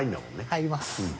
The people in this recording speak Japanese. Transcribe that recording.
入ります。